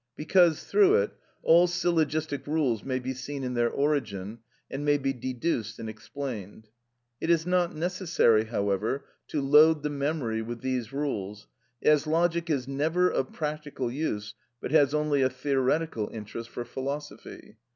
Because, through it, all syllogistic rules may be seen in their origin, and may be deduced and explained. It is not necessary, however, to load the memory with these rules, as logic is never of practical use, but has only a theoretical interest for philosophy.